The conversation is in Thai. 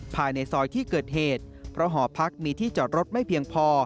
ภายในซอยที่เกิดเหตุเพราะหอพักมีที่จอดรถไม่เพียงพอ